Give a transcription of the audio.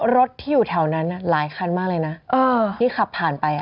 รถที่อยู่แถวนั้นหลายคันมากเลยนะที่ขับผ่านไป